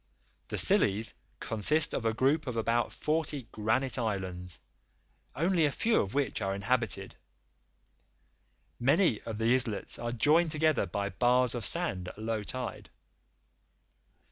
The Scillies consist of a group of about forty granite islands, only a few of which are inhabited. Many of the islets are joined together by bars of sand at low tide.